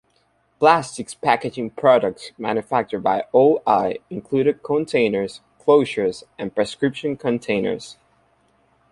Plastics packaging products manufactured by O-I included containers, closures, and prescription containers.